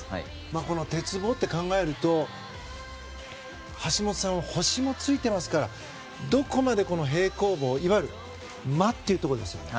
この鉄棒と考えると橋本さんは星もついていますからどこまで平行棒いわゆる魔というところですね。